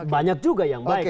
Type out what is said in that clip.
banyak juga yang baik